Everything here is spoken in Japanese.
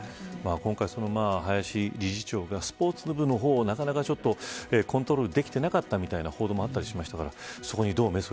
今回、林理事長がスポーツ部の方をなかなかコントロールできていなかったみたいな報道もあったりしましたから